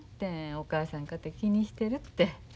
お母さんかて気にしてるって。